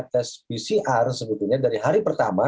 tes pcr sebetulnya dari hari pertama